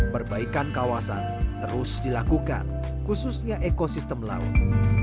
perbaikan kawasan terus dilakukan khususnya ekosistem laut